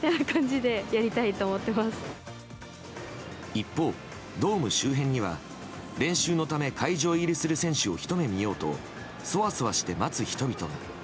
一方、ドーム周辺には練習のため会場入りする選手をひと目見ようとそわそわして待つ人々が。